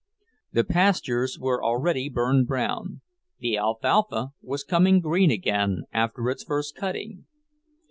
The pastures were already burned brown, the alfalfa was coming green again after its first cutting.